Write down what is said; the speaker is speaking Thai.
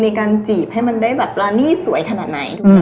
การจีบให้มันได้แบบรานีสวยขนาดไหน